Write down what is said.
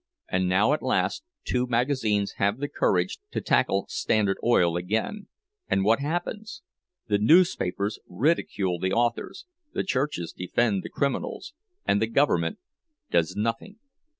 And now, at last, two magazines have the courage to tackle 'Standard Oil' again, and what happens? The newspapers ridicule the authors, the churches defend the criminals, and the government—does nothing.